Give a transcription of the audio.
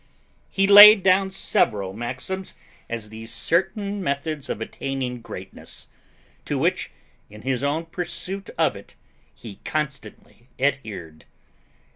He laid down several maxims as the certain methods of attaining greatness, to which, in his own pursuit of it, he constantly adhered.